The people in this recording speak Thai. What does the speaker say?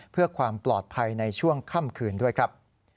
เพื่อความปลอดภัยในช่วงค่ำคืนด้วยครับ